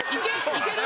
いける？